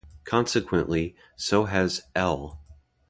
Consequently, so has "L".